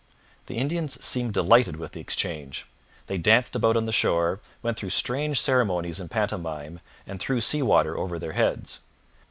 The Indians seemed delighted with the exchange. They danced about on the shore, went through strange ceremonies in pantomime and threw seawater over their heads.